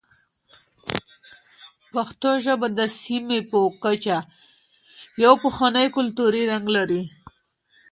پښتو ژبه د سیمې په کچه یو پخوانی کلتوري رنګ لري.